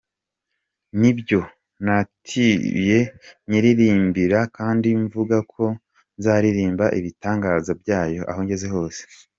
Ati: “ Ni byo nayituye nyiririmbira kandi mvuga ko nzaririmba ibitangaza byayo aho ngeze hose.